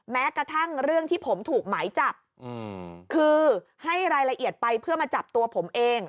แม้กระทั่งเรื่องที่ผมถูกหมายจับคือให้รายละเอียดไปเพื่อมาจับตัวผมเอง